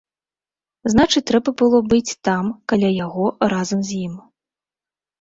Значыць, трэба было быць там, каля яго, разам з ім.